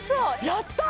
やったー！